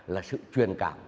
là sự truyền cảm